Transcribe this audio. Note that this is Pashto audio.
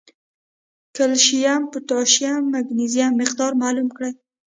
کېلشیم ، پوټاشیم او مېګنيشم مقدار معلوم کړي